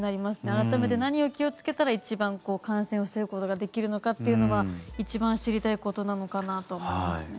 改めて何を気をつけたら一番感染を防ぐことができるのかというのは一番知りたいことなのかなと思いますね。